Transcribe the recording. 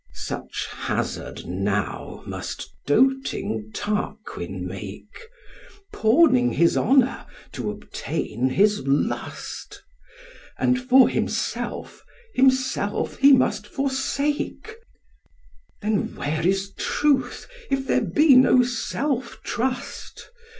Such hazard now must doting Tarquin make, Pawning his honour to obtain his lust; And for himself himself he must forsake: Then where is truth, if there be no self trust?